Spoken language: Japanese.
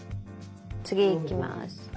次いきます。